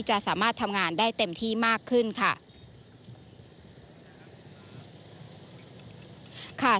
จะสามารถทำงานได้เต็มที่มากขึ้นค่ะ